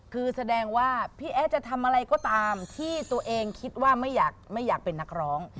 คือแสดงว่าพี่แอ๊จะทำอะไรก็ตามที่ตัวเองคิดว่าไม่อยากเป็นนักร้อง